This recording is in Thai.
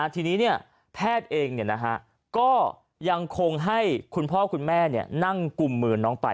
ทีนี้แพทย์เองก็ยังคงให้คุณพ่อคุณแม่นั่งกุมมือน้องไป